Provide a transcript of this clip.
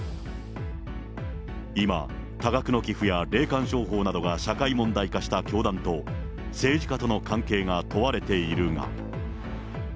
今、多額の寄付や霊感商法などが社会問題化した教団と、政治家との関係が問われているが。